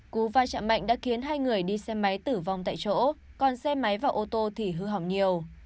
cú vai trạng mạnh đã khiến hai người đi xe máy tử vong tại chỗ còn xe máy vào ô tô thì hư hỏng nhiều